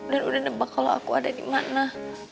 dan udah nebak kalau aku ada di mana